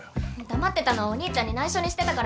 黙ってたのはお義兄ちゃんに内緒にしてたからじゃない。